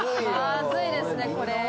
まずいですねこれ。